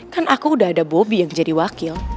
kan aku udah ada bobby yang jadi wakil